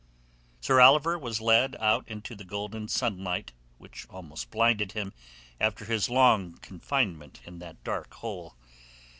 Sir Oliver was led out into the golden sunlight which almost blinded him after his long confinement in that dark hole.